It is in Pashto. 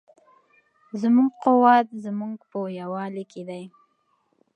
زموږ قوت په زموږ په یووالي کې دی.